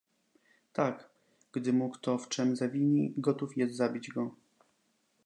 "tak, gdy mu kto w czem zawini, gotów jest zabić go."